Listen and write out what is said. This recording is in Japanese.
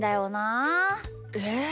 え。